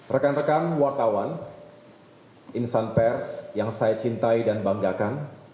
rekan rekan wartawan insan pers yang saya cintai dan banggakan